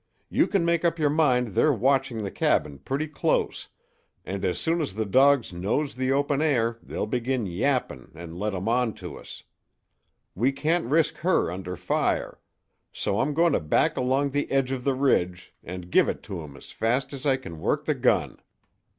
"You can make up your mind they're watching the cabin pretty close, and as soon as the dogs nose the open air they'll begin yapping 'n' let 'em on to us. We can't risk her under fire. So I'm going to back along the edge of the ridge and give it to 'em as fast as I can work the gun.